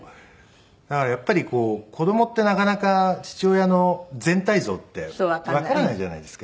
だからやっぱり子供ってなかなか父親の全体像ってわからないじゃないですか。